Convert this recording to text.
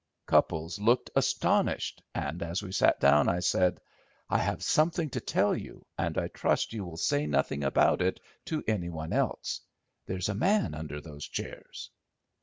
Cupples looked astonished, and, as we sat down, I said— "I have something to tell you, and I trust you will say nothing about it to any one else. There's a man under those chairs."